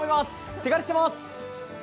手狩りしています。